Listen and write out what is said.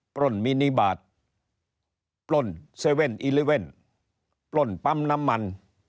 ปล้นมินิบาทปล้น๗๑๑ปล้นปั๊มน้ำมัน